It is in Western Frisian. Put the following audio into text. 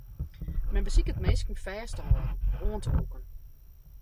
Men besiket minsken fêst te hâlden of oan te lûken.